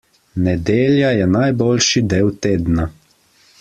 Nedelja je najboljši del tedna.